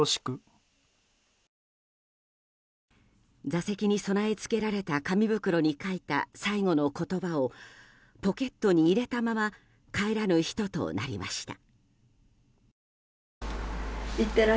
座席に備え付けられた紙袋に書いた最後の言葉をポケットに入れたまま帰らぬ人となりました。